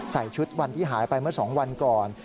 ใส่ชุดวันที่หายไปเมื่อ๒วันก่อน